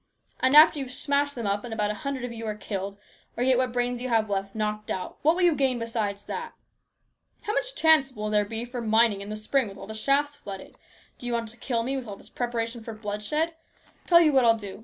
And after you've smashed them up and about a hundred of you are killed, or get what few brains you have left knocked out, what will you gain besides that ? How much chance will there be for mining in the spring with all the shafts flooded ? Do you want to kill me with all this preparation for bloodshed ? Tell you what I'll do.